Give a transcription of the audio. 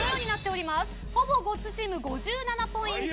ほぼごっつチーム５７ポイント。